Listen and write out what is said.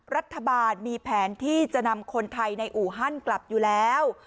รัฐบาลมีแผนที่จะนำคนไทยในอู่ฮั่นกลับอยู่แล้ว